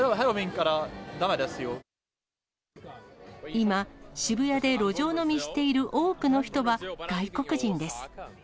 今、渋谷で路上飲みしている多くの人は、外国人です。